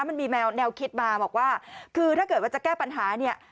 มันมีแนวคิดมาบอกว่าคือถ้าเกิดว่าจะแก้ปัญหาเนี่ย